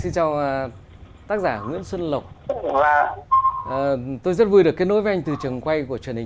xin chào tác giả nguyễn xuân lộc tôi rất vui được kết nối với anh từ trường quay của truyền hình